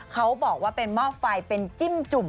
เขาบอกว่าเป็นหม้อไฟเป็นจิ้มจุ่ม